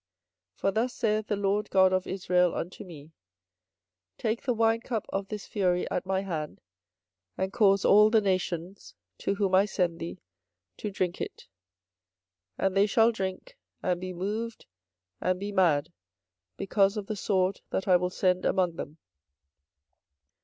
24:025:015 For thus saith the LORD God of Israel unto me; Take the wine cup of this fury at my hand, and cause all the nations, to whom I send thee, to drink it. 24:025:016 And they shall drink, and be moved, and be mad, because of the sword that I will send among them.